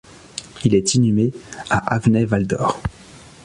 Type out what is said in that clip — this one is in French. Il est inhumé à Avenay-Val-d'Or.